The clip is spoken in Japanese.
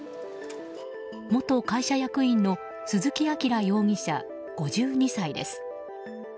元会社役員の鈴木晃容疑者、５２歳です。